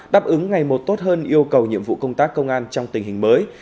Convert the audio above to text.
đáp ứng ngày một tốt hơn yêu cầu nhiệm vụ công tác công an trong tình hình mới